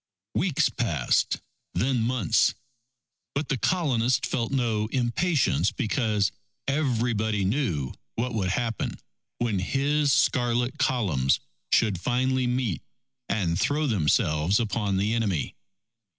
Weeks passed, then months. But the Colonists felt no impatience because everybody knew what would happen when his scarlet columns should finally meet and throw themselves upon the enemy.